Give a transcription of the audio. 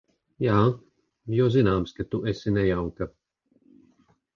Jā, jo zināms, ka tu esi nejauka.